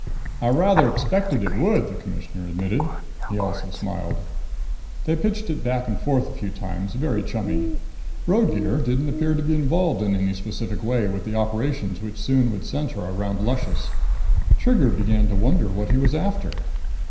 "I rather expected it would," the Commissioner admitted. He also smiled. They pitched it back and forth a few times, very chummy. Roadgear didn't appear to be involved in any specific way with the operations which soon would center about Luscious. Trigger began to wonder what he was after.